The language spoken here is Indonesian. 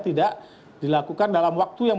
tidak dilakukan dalam waktu yang